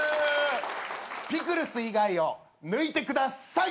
ピクルス以外を抜いてください。